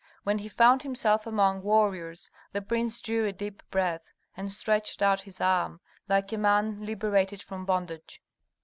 When he found himself among warriors, the prince drew a deep breath, and stretched out his arms, like a man liberated from bondage.